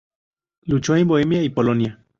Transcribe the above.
Luchó en Bohemia y Polonia.